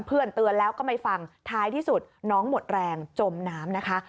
เตือนแล้วก็ไม่ฟังท้ายที่สุดน้องหมดแรงจมน้ำนะคะ